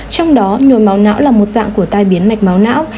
trong đó nhồi máu não là một dạng của tai biến mạch máu não